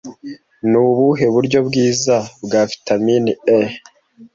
Ni ubuhe buryo bwiza bwa Vitamine 'E'